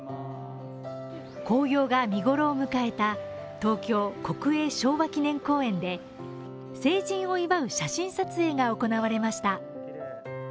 紅葉が見頃を迎えた東京・国営昭和記念公園で成人を祝う写真撮影が行われました。